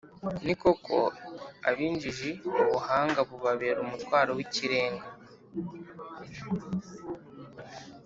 Ni koko, ab’injiji ubuhanga bubabera umutwaro w’ikirenga,